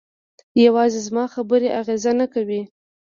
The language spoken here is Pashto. یوازې زما خبرې اغېزه نه کوي.